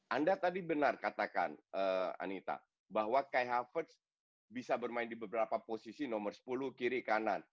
anda tadi benar katakan anita bahwa kai havertz bisa bermain di beberapa posisi nomor sepuluh kiri kanan